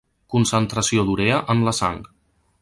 Concentració d'urea en la sang.